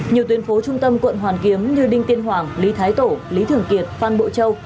nhiều tuyến phố trung tâm quận hoàn kiếm như đinh tiên hoàng lý thái tổ lý thường kiệt phan bộ châu